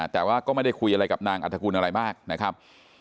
แต่ว่าก็ไม่ได้คุยอะไรกับนางอัฐกุลอะไรมากนะครับ